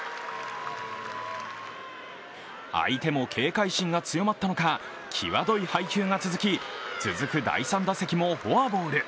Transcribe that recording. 相手も警戒心が強まったのか、際どい配球が続き、続く第３打席もフォアボール。